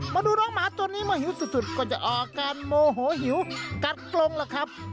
มาดูน้องหมาตัวนี้เมื่อหิวสุดก็จะออกอาการโมโหหิวกัดกลงล่ะครับ